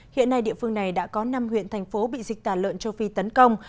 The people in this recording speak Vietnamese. hiện nay địa phương này đã có năm huyện thành phố bị dịch tàn lợn châu phi tấn công